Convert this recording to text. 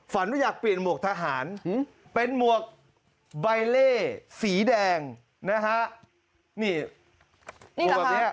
ฝันว่าอยากเปลี่ยนมวกทหารเป็นมวกใบเล่สีแดงนะฮะนี่นี่แหละครับ